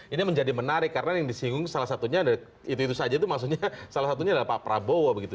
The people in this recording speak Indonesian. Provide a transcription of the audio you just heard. ini menjadi menarik karena yang disinggung salah satunya itu itu saja itu maksudnya salah satunya adalah pak prabowo begitu